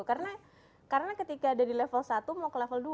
karena karena ketika dari level satu mau ke level dua